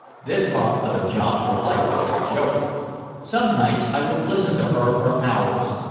"This talk of a job for life is a joke." Some nights I would listen to her for hours.